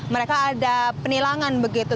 mereka ada penilangan begitu